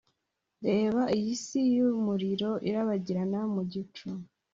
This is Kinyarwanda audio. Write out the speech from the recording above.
reba iyi si yumuriro irabagirana mu gicu